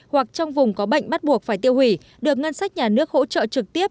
hoặc trong vùng có bệnh bắt buộc phải tiêu hủy được ngân sách nhà nước hỗ trợ trực tiếp